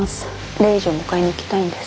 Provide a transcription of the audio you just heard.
レイジを迎えに行きたいんです。